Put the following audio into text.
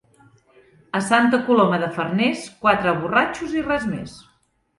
A Santa Coloma de Farners, quatre borratxos i res més.